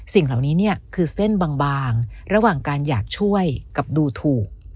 สิ่งเหล่านี้เนี่ยคือเส้นบางระหว่างการอยากช่วยกับดูถูก